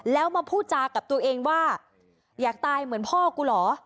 แล้วมาพูดจากับตัวเองว่าอยากตายเหมือนพ่อกูเหรอ